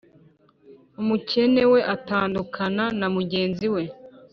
umukene we atandukana na mugenzi we